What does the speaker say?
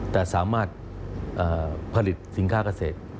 แต่สามารถเอ่อพริตสินค้าเกษตร